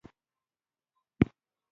ایا ستاسو خوراک په وخت دی؟